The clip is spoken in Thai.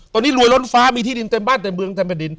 ตอนนี้รวยล้นฟ้ามีที่ดินเต็มบ้านเต็มเมืองเต็มแผ่นดิน